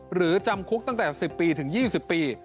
หรือจำคุกตั้งแต่๑๐๒๐ปี